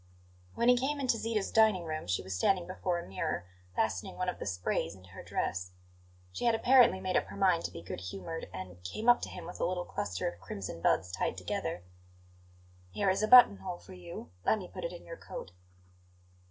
When he came into Zita's dining room she was standing before a mirror, fastening one of the sprays into her dress. She had apparently made up her mind to be good humoured, and came up to him with a little cluster of crimson buds tied together. "Here is a buttonhole for you; let me put it in your coat."